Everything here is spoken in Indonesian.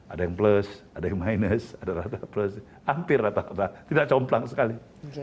ada yang plus ada yang minus ada rata plus hampir rata rata tidak complang sekali